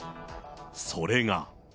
それが。